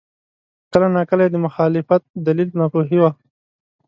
کله ناکله یې د مخالفت دلیل ناپوهي وه.